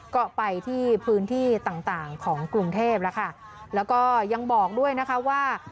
ก็ไปที่พื้นที่ต่างต่างของกรุงเทพแล้วค่ะแล้วก็ยังบอกด้วยนะคะว่า